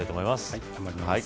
はい頑張ります